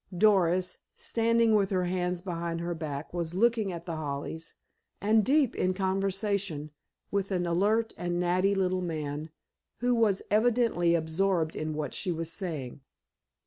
Doris, standing with her hands behind her back, was looking at The Hollies, and deep in conversation with an alert and natty little man who was evidently absorbed in what she was saying.